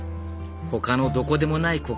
ほかのどこでもない